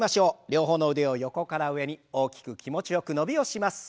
両方の腕を横から上に大きく気持ちよく伸びをします。